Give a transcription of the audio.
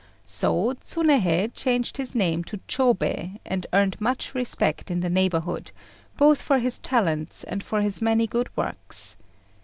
So Tsunéhei changed his name to Chôbei, and earned much respect in the neighbourhood, both for his talents and for his many good works.